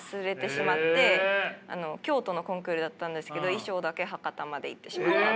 京都のコンクールだったんですけど衣装だけ博多まで行ってしまって。